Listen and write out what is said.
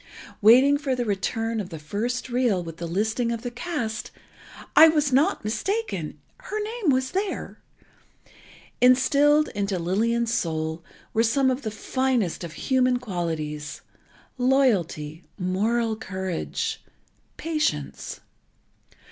Waiting for the return of the first reel, with the listing of the cast, I was not mistaken—her name was there. Instilled into Lillian's soul were some of the finest of human qualities: loyalty, moral courage, patience.